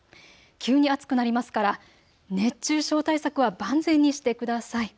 急に暑くなりますから熱中症対策は万全にしてください。